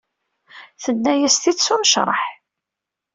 Tenna-yas-t-id s unecreḥ.